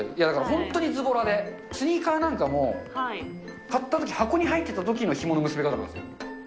本当にずぼらで、スニーカーなんかも、買ったとき、箱に入ってたときのひもの結び方なんですよ。